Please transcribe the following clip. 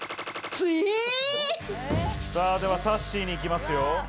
では、さっしーに行きますよ。